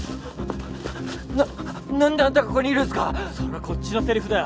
ななんであんたがここにいるんすそれはこっちのセリフだよ